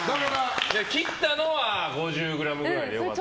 切ったのは５０ｇぐらいで良かった。